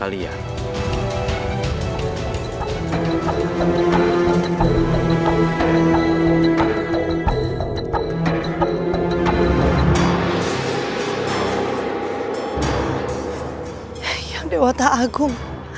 hei yang dewa ta'agung